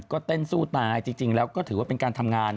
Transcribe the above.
ก็เต้นสู้ตายจริงแล้วก็ถือว่าเป็นการทำงาน